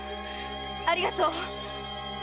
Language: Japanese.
ありがとう！